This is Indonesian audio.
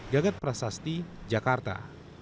gagat prasasti jakarta